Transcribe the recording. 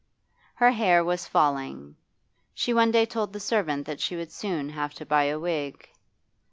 Her hair was falling; she one day told the servant that she would soon have to buy a wig.